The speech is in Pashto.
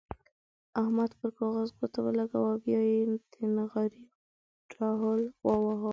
احمد پر کاغذ ګوته ولګوله او بيا يې د نغارې ډوهل وواهه.